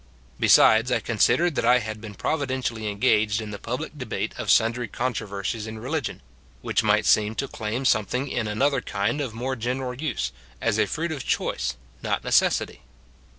Besides, I considered that I had been pro Tideutrally engaged in the public debate of sundry controversies in religion, which might seem to claim something in another kind of more general use, as a fruit of choice, not necessity.